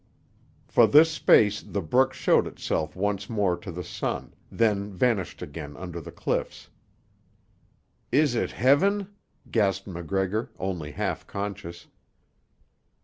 For this space the brook showed itself once more to the sun, then vanished again under the cliffs. "Is it Heaven?" gasped MacGregor, only half conscious.